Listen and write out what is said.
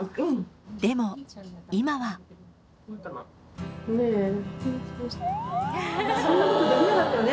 でも今はねぇ。そんなことできなかったよね